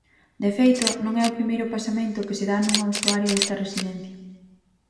De feito, non é o primeiro pasamento que se dá nunha usuaria desta residencia.